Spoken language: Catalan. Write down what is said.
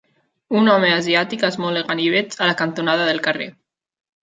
Un home asiàtic esmola ganivets a la cantonada del carrer.